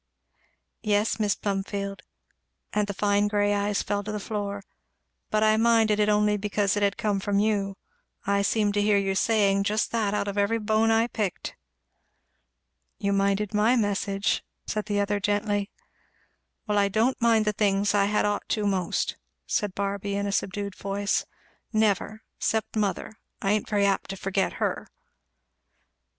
"Yes, Mis' Plumfield," and the fine grey eyes fell to the floor, "but I minded it only because it had come from you. I seemed to hear you saying just that out of every bone I picked." "You minded my message," said the other gently. "Well I don't mind the things I had ought to most," said Barby in a subdued voice, "never! 'cept mother I ain't very apt to forget her."